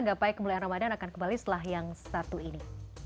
gapai kemuliaan ramadan akan kembali setelah yang satu ini